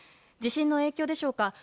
地震の影響でしょうか。